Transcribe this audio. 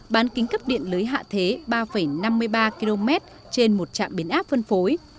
bán kính cấp điện lưới hạ thế ba năm mươi ba km trên một trạm biến áp phân phối